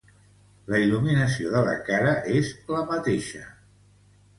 La il·luminació de la cara és la mateixa.